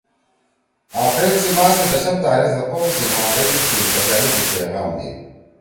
اپریل سی ماہ سی دشم تاریخ زید قوم سی نام لیؤ عید سی خوشألی سی پیغام دیِد